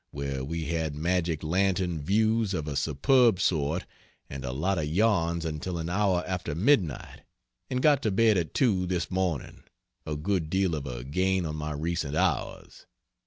where we had magic lantern views of a superb sort, and a lot of yarns until an hour after midnight, and got to bed at 2 this morning a good deal of a gain on my recent hours.